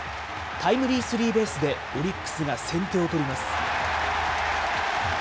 タイムリースリーベースでオリックスが先手を取ります。